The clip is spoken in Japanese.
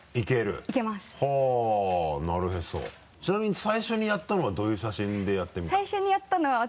ちなみに最初にやったのはどういう写真でやってみたの？